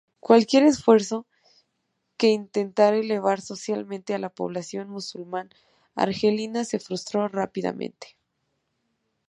Cualquier esfuerzo que intentara elevar socialmente a la población musulmán-argelina se frustró rápidamente.